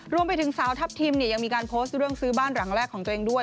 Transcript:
รวมไปถึงสาวทัพทิมเนี่ยยังมีการโพสต์เรื่องซื้อบ้านหลังแรกของตัวเองด้วย